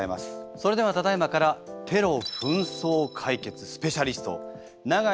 それではただ今からテロ・紛争解決スペシャリスト永井